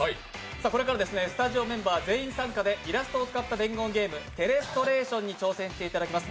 これからスタジオメンバー全員参加でイラストを用いた伝言ゲーム「テレストレーション」に挑戦していただきます。